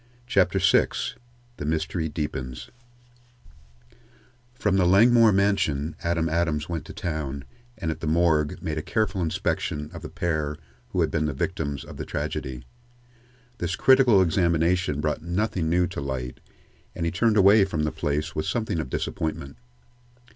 CHAPTER VI THE MYSTERY DEEPENS From the Langmore mansion Adam Adams went to town, and at the morgue made a careful inspection of the pair who had been the victims of the tragedy. This critical examination brought nothing new to light, and he turned away from the place with something of disappointment.